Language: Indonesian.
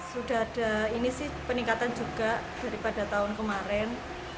sudah ada ini sih peningkatan juga daripada tahun kemarin